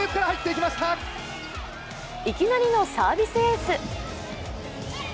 いきなりのサービスエース。